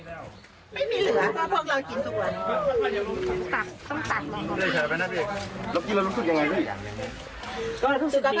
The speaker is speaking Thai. แล้วกินแล้วรู้สึกอย่างไรรู้สึกอย่างไร